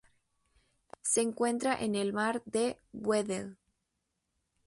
Se encuentra en el Mar de Weddell.